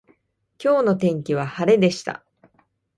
今日の天気は晴れでした。